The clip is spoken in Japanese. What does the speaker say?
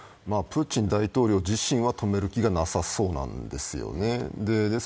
プーチン大統領自身は止める気がなさそうなんですよね。